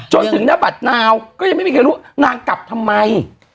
จนถึงหน้าบัตรนาวก็ยังไม่มีใครรู้นางกลับทำไม